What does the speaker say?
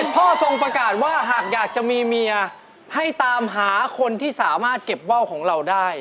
ทรงประกาศว่าหากอยากจะมีเมียให้ตามหาคนที่สามารถเก็บว่าวของเราได้